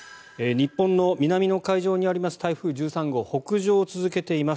日本の南の海上にある台風１３号北上を続けています。